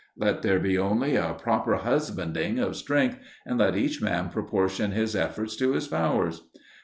Let there be only a proper husbanding of strength, and let each man proportion his efforts to his powers.